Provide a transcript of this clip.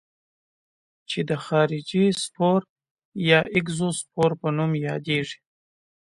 چې د خارجي سپور یا اګزوسپور په نوم یادیږي.